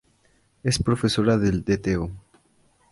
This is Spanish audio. Es profesora del Dto.